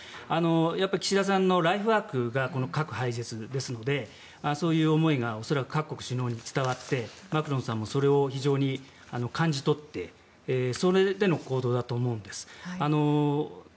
やはり岸田さんのライフワークが核廃絶ですのでそういう思いが恐らく各国首脳に伝わってマクロンさんもそれを非常に感じ取ってそれでの行動だと思うんです。